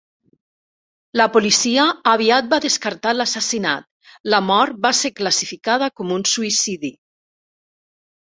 La policia aviat va descartar l'assassinat; la mort va ser classificada com un suïcidi.